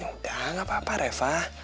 udah gak apa apa reva